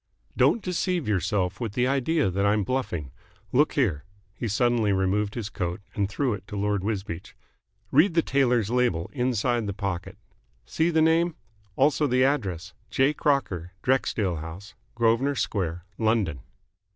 "Don't deceive yourself with the idea that I'm bluffing. Look here." He suddenly removed his coat and threw it to Lord Wisbeach. "Read the tailor's label inside the pocket. See the name. Also the address. 'J. Crocker. Drexdale House. Grosvenor Square. London.'"